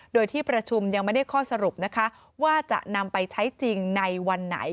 โดยที่ประชุมยังไม่ได้ข้อสรุปนะคะว่าจะนำไปใช้จริงในวันไหน